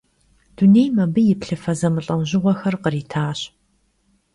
Dunêym abı yi plhıfe zemılh'eujığuexer khritaş.